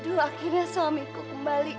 aduh akhirnya suamiku kembali